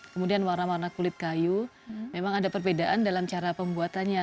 kemudian warna warna kulit kayu memang ada perbedaan dalam cara pembuatannya